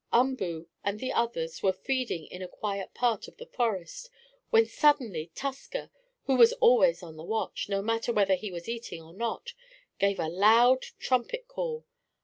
Umboo and the others were feeding in a quiet part of the forest, when suddenly Tusker, who was always on the watch, no matter whether he was eating or not, gave a loud trumpet call.